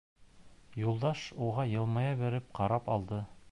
Юлдаш уға йылмая биреп ҡарап алды.